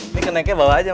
ini keneknya bawa aja bang